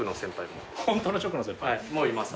もういます